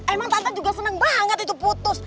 emang tante juga senang banget itu putus